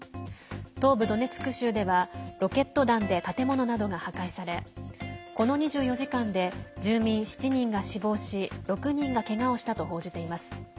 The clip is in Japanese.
東部ドネツク州ではロケット弾で建物などが破壊されこの２４時間で住民７人が死亡し６人がけがをしたと報じています。